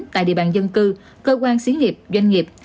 tại địa bàn dân cư cơ quan xí nghiệp doanh nghiệp